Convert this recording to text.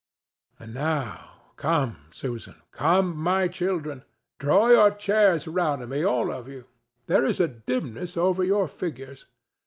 And now come, Susan; come, my children. Draw your chairs round me, all of you. There is a dimness over your figures.